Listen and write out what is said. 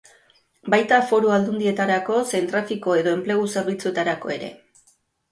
Baita Foru Aldundietarako zein trafiko edo enplegu zerbitzuetarako ere.